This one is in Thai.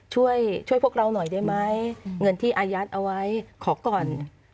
ช่วยช่วยพวกเราหน่อยได้ไหมเงินที่อายัดเอาไว้ขอก่อน